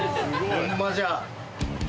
ホンマじゃ。